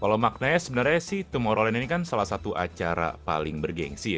kalau maknanya sebenarnya sih tumor olen ini kan salah satu acara paling bergensi ya